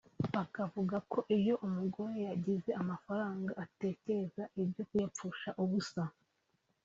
bakavuga ko iyo umugore yagize amafaranga atekereza ibyo kuyapfusha ubusa